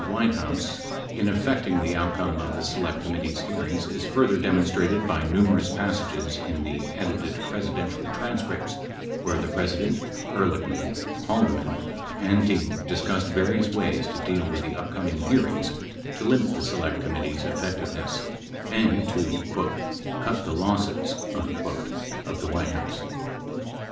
78 White House in effecting the outcome of the Select Committee's hear ings is further demonstrated by numerous passages in the edited presi dential transcripts where the President, Ehrlichman, Haldeman and Dean discussed various ways to deal with the upcoming hearings to limit the Select Committee's effectiveness, and to "cut the losses" of the White House. See e.